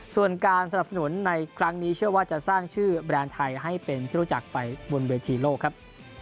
ส่วนการสนับสนุนในครั้งนี้เชื่อว่าจะสร้างชื่อแบรนด์ไทยให้เป็นที่รู้จักไปบนเวทีโลกครับ